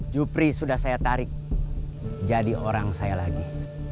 jupri sudah saya tarik jadi orang saya lagi